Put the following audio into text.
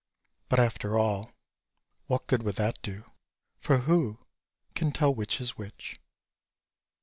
But, after all, what good would that do, for who can tell which is which?